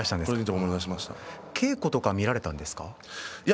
稽古とか見られたんですか。